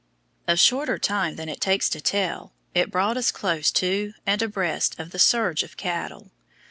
A shorter time than it takes to tell it brought us close to and abreast of the surge of cattle.